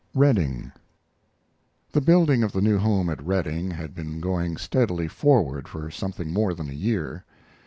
REDDING The building of the new home at Redding had been going steadily forward for something more than a year.